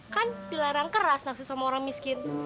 kan dilarang keras naksi sama orang miskin